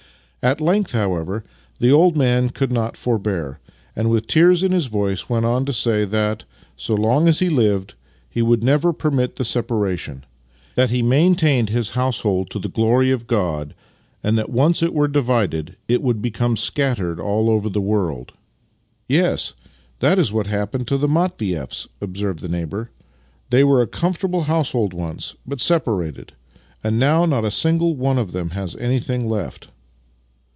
At length, however, the old man could not forbear, and with tears in his voice went on to say that, so long as he lived, he would never permit the separa tion; that he maintained his household to the glory of God; and that, once it were divided, it would become scattered all over the world. " Yes, that is what happened to the Matvieffs," observed the neighbour. " They were a comfortable household once, but separated — and now not a single one of them has anything left."